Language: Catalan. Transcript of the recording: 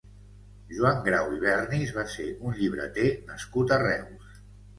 Joan Grau i Vernis va ser un llibreter nascut a Reus.